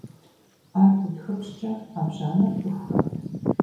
Ӏэр бутхыпщӀкӀэ, Ӏэбжьанэр пыхурэ?